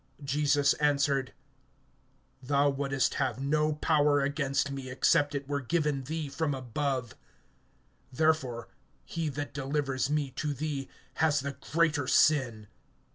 (11)Jesus answered: Thou wouldst have no power against me, except it were given thee from above. Therefore he that delivers me to thee has the greater sin.